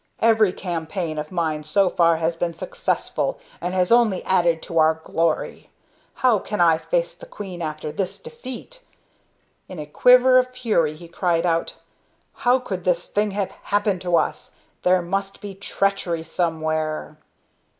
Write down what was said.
Every campaign of mine so far has been successful and has only added to our glory. How can I face the queen after this defeat?" In a quiver of fury he cried again: "How could this thing have happened to us? There must be treachery somewhere."